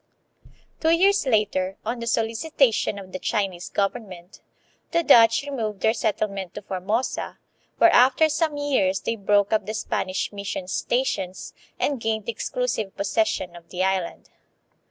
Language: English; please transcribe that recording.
Two years later, on the solicitation of the Chinese government, the Dutch removed their settlement to Formosa, where after some years they broke up the Spanish mission stations and gained exclusive possession of the island.